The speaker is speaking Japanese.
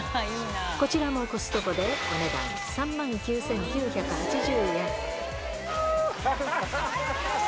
こちらもコストコでお値段３万９９８０円。